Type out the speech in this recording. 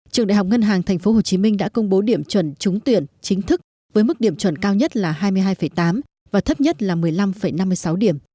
trường đại học ngân hàng tp hcm đã công bố điểm chuẩn trúng tuyển chính thức với mức điểm chuẩn cao nhất là hai mươi hai tám và thấp nhất là một mươi năm năm mươi sáu điểm